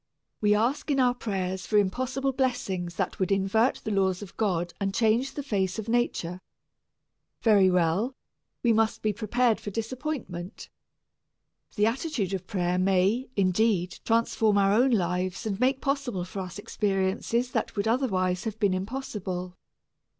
We ask in our prayers for impossible blessings that would invert the laws of God and change the face of nature very well, we must be prepared for disappointment. The attitude of prayer may, indeed, transform our own lives and make possible for us experiences that would otherwise have been impossible.